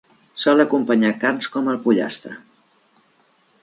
Sol acompanyar carns com el pollastre.